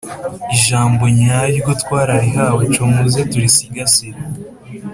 Ijambo nyaryo twararihawe cimuze turisigasire .